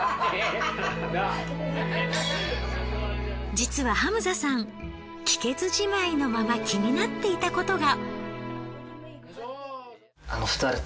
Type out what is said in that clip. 実はハムザさん聞けずじまいのまま気になっていたことが。